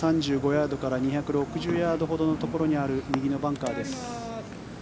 ２３５ヤードから２６０ヤードのところにある右のバンカーです。